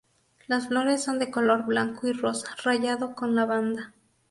Las flores son de color blanco y rosa, rayado con lavanda.